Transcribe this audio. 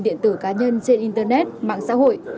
điện tử cá nhân trên internet mạng xã hội